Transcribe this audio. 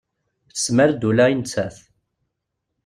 Tesmar-d ula i nettat.